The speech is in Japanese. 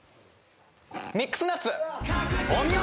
『ミックスナッツ』お見事。